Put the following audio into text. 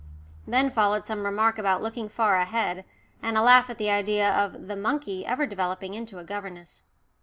Then followed some remark about looking far ahead, and a laugh at the idea of "the monkey" ever developing into a governess.